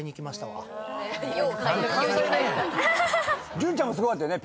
潤ちゃんもすごかったよね